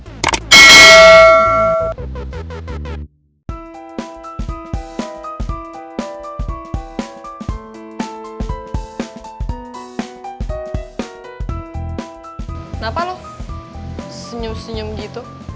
kenapa loh senyum senyum gitu